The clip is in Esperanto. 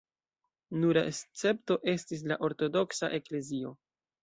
Nura escepto estis la ortodoksa eklezio.